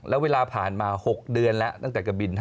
แล้วเวลาผ่านมา๖เดือนแล้วตั้งแต่กระบิน๕